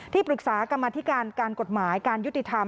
ปรึกษากรรมธิการการกฎหมายการยุติธรรม